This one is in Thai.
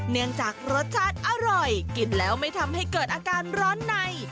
เนื่องจากรสชาติอร่อยกินแล้วไม่ทำให้เกิดอาการร้อนใน